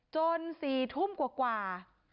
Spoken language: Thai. ๔ทุ่มกว่า